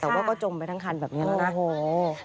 แต่ว่าก็จมไปทั้งคันแบบนี้